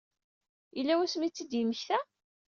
Yella wasmi i tt-id-yemmekta?